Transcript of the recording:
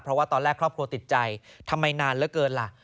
เพราะว่าตอนแรกครอบครัวติดใจทำไมนานเหลือเกินล่ะ